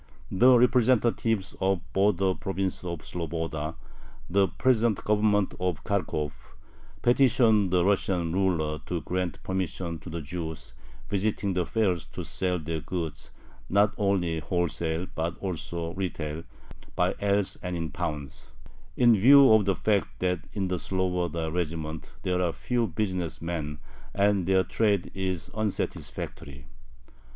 The representatives of the "Border Province of Sloboda," the present Government of Kharkov, petitioned the Russian ruler to grant permission to the Jews visiting the fairs to sell their goods not only wholesale but also retail, "by ells and in pounds," in view of the fact that "in the Sloboda regiments there are few business men, and their trade is unsatisfactory."